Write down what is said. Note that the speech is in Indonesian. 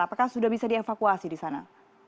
apakah sudah bisa dievakuasi di sana